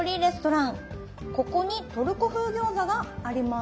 ここにトルコ風餃子があります